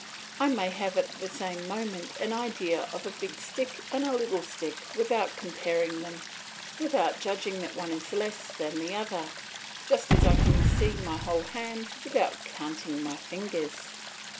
I may have at the same moment an idea of a big stick and a little stick without comparing them, without judging that one is less than the other, just as I can see my whole hand without counting my fingers.